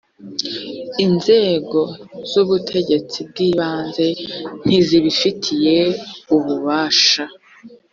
inzego z’ubutegetsi bw ibanze ntizibifitiye ububasha